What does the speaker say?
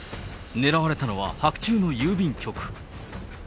狙われたのは白昼の郵便局。